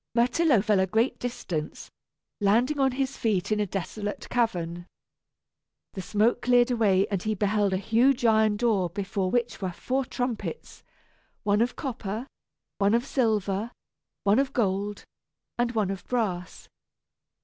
Myrtillo fell a great distance, landing on his feet in a desolate cavern. The smoke cleared away and he beheld a huge iron door before which were four trumpets one of copper, one of silver, one of gold, and one of brass.